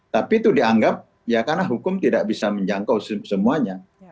tapi itu dianggap ya karena hukum tidak bisa menjangkau semuanya